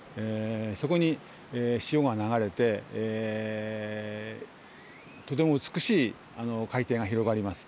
そこに潮が流れてとても美しい海底が広がります。